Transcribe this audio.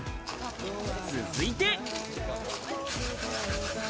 続いて。